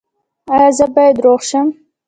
ایا زه باید روغ شم؟